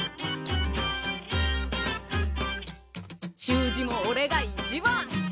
習字もおれが一番！